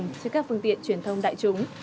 cho các phương tiện truyền thông đại chúng